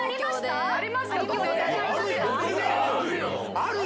あるよ！